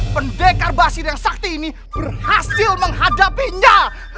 pendekar basir yang sakti ini berhasil menghadapinya